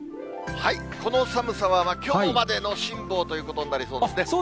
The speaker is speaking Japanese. この寒さは、きょうまでの辛抱ということになりそうですね。